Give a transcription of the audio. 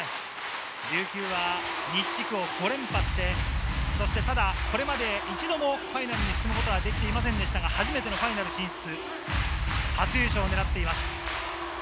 琉球は西地区を５連覇して、ただ、これまで一度もファイナルに進むことはできませんでしたが、初めてのファイナル進出。